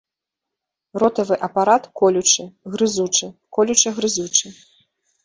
Ротавы апарат колючы, грызучы, колюча-грызучы.